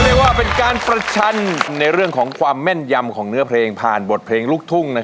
หรือว่าเป็นการประชันในของความแม่นยำของนิ่งพาร์นบทเพลงลุกทุ่ง